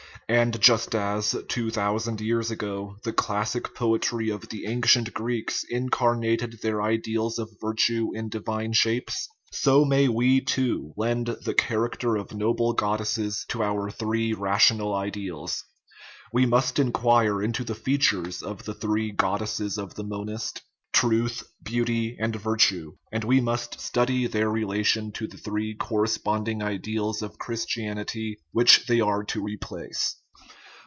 And just as, two thousand years ago, the classic poetry of the ancient Greeks incarnated their ideals of virtue in divine shapes, so may we, too, lend the character of noble goddesses to our three rational ideals. We must inquire into the features of the three goddesses of the monist truth, beauty, and virtue ; and we must study their relation to the three corresponding ideals of Christianity which they are to replace.